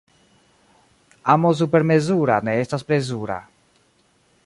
Amo supermezura ne estas plezura.